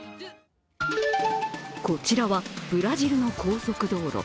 こちらはブラジルの高速道路。